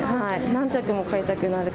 何着も買いたくなる。